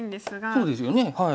そうですよねはい。